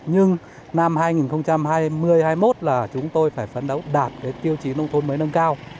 nhưng năm hai nghìn hai mươi hai nghìn hai mươi một là chúng tôi phải phấn đấu đạt tiêu chí nông thôn mới nâng cao